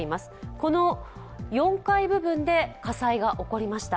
この４階部分で火災が起こりました